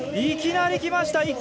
いきなりきました！